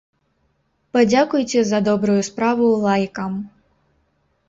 Падзякуйце за добрую справу лайкам!